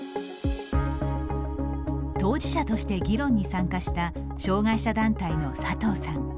当事者として議論に参加した障害者団体の佐藤さん。